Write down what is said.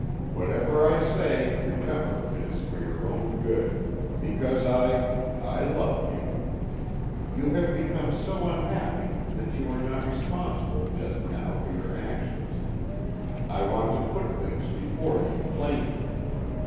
Whatever I say, remember it is for your own good, because I I love you. You have become so unhappy that you are not responsible just now for your actions. I want to put things before you plainly.